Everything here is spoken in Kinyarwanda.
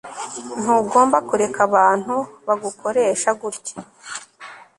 Ntugomba kureka abantu bagukoresha gutya